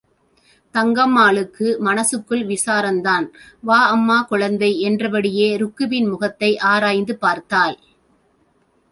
தங்கம்மாளுக்கு மனசுக்குள் விசாரந்தான்... வா அம்மா குழந்தை என்றபடியே ருக்குவின் முகத்தை ஆராய்ந்து பார்த்தாள்.